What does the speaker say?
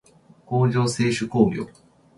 工場制手工業